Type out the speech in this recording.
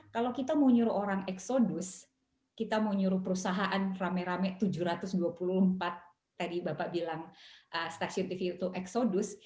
karena kalau kita mau nyuruh orang exodus kita mau nyuruh perusahaan rame rame tujuh ratus dua puluh empat tadi bapak bilang stasiun tv itu exodus